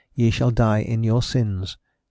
ye shall die in your sins." viii.